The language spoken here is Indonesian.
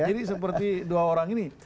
seperti dua orang ini